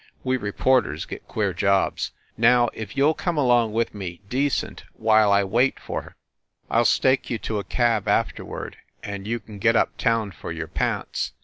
We reporters get queer jobs. Now if you ll come along with me decent, while I wait for her, I ll stake you to a cab afterward, and you can get up town for your pants.